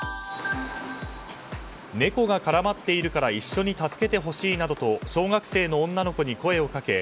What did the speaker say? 猫が絡まっているから一緒に助けてほしいなどと小学生の女の子に声をかけ